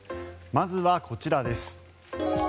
まずはこちらです。